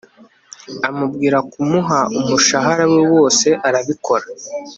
amubwira kumuha umushahara we wose arabikora